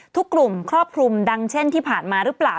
ทุกกลุ่มครอบคลุมดังเช่นที่ผ่านมาหรือเปล่า